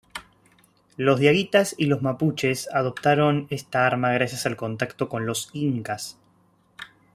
Los diaguitas y los mapuches adoptaron esta arma gracias al contacto con los incas.